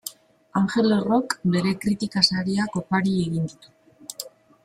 Angel Errok bere kritika sariak opari egin ditu.